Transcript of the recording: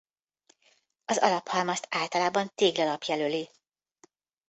Az alaphalmazt általában téglalap jelöli.